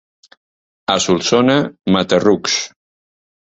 A Solsona, mata-rucs.